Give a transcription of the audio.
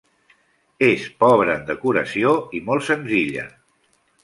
És pobra en decoració i molt senzilla.